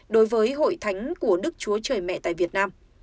đối với hội thánh của đức chúa trời mẹ tại việt nam